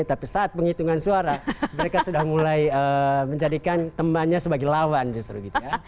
tapi saat penghitungan suara mereka sudah mulai menjadikan temannya sebagai lawan justru gitu ya